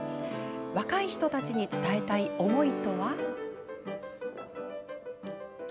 若い人たちに伝えたい思いとは？